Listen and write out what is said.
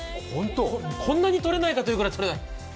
こんなにとれないかというぐらいとれない。